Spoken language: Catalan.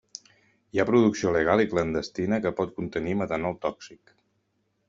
Hi ha producció legal i clandestina que pot contenir metanol tòxic.